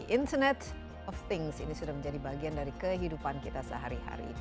internet of things ini sudah menjadi bagian dari kehidupan kita sehari hari